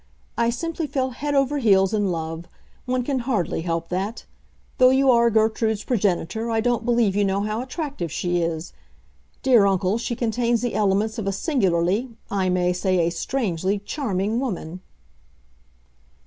I simply fell head over heels in love; one can hardly help that. Though you are Gertrude's progenitor I don't believe you know how attractive she is. Dear uncle, she contains the elements of a singularly—I may say a strangely—charming woman!"